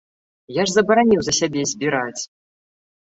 Я ж забараніў за сябе збіраць!